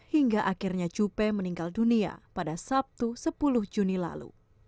hingga akhirnya cupe meninggal dunia pada sabtu sepuluh juni lalu